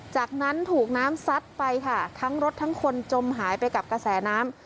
จากนั้นถูกน้ำซัดไปค่ะทั้งรถทั้งคนจมหายไปกับกระแสน้ำ